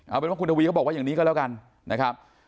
เอาเป็นว่าคุณทวีเขาบอกว่าอย่างนี้ก็แล้วกันนะครับ